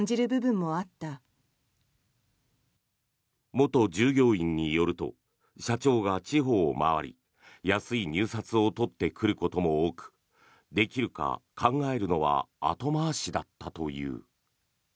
元従業員によると社長が地方を回り安い入札を取ってくることも多くできるか考えるのは後回しだったという。